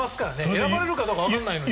選ばれるか分からないのに。